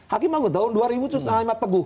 hakim agung tahun dua ribu terus ngani mat teguh